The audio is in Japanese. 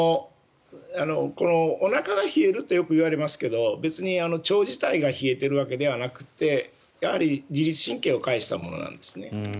おなかが冷えるとよく言われますが別に腸自体が冷えているわけではなくてやはり自律神経を介したものなんですね。